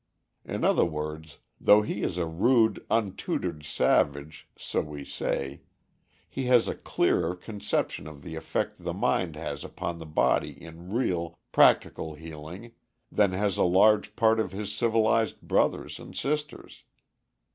In other words, though he is a rude, untutored savage, so we say, he has a clearer conception of the effect the mind has upon the body in real, practical healing, than has a large part of his civilized brothers and sisters.